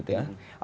jadi pak ahok